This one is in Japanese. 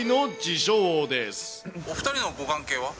お２人のご関係は？